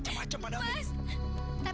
jangan ganggu aku mas